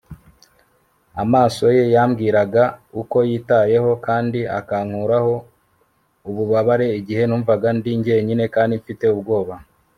amaso ye yambwiraga uko yitayeho, kandi akankuraho ububabare igihe numvaga ndi jyenyine kandi mfite ubwoba